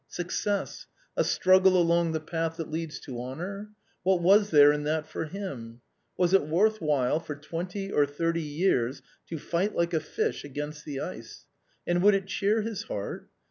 Success, a struggle along the path that leads to honour? What was there in that for him? Was it worth while for twenty or thirty years to fight like a fish against the ice ? And would it cheer his heart